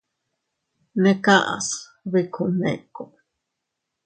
Neʼe kaʼas biku Nneeko.